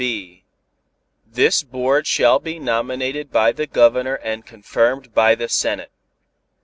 (b) This Board shall be nominated by the Governor and confirmed by the Senate.